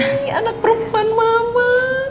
ini anak perempuan mama